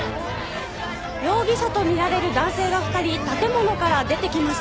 容疑者と見られる男性が２人建物から出てきました。